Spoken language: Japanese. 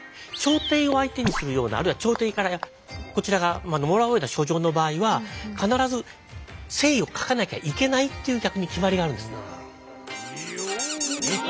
朝廷を相手にするようなあるいは朝廷からこちらがもらうような書状の場合は必ず姓を書かなきゃいけないっていう逆に決まりがあるんですね。